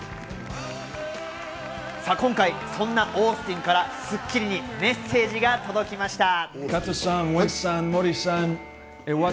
今回、そんなオースティンから『スッキリ』にメッセージが届きました。